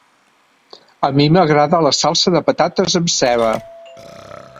A mi m'agrada la salsa de patates amb ceba.